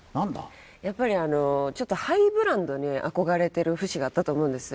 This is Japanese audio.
やっぱりあのちょっとハイブランドに憧れてる節があったと思うんですよ